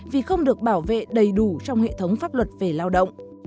vì không được bảo vệ đầy đủ trong hệ thống pháp luật về lao động